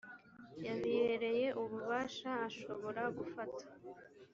yabihereye ububasha ashobora gufata